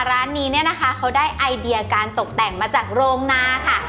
ร้านนี้เนี่ยนะคะเขาได้ไอเดียการตกแต่งมาจากโรงนาค่ะ